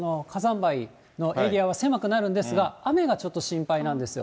灰のエリアは狭くなるんですが、雨がちょっと心配なんですよ。